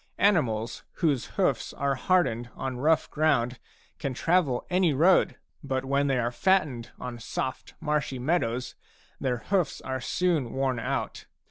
Animals whose hoofs are hardened on rough ground can travel any road; but when they are fattened on soft marshy meadows their hoofs are soon worn out.